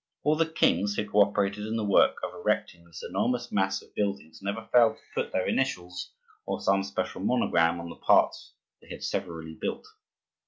All the kings who co operated in the work of erecting this enormous mass of buildings never failed to put their initials or some special monogram on the parts they had severally built.